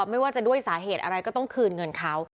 ไม่ว่าจะด้วยสาเหตุอะไรก็ต้องคืนเงินเขา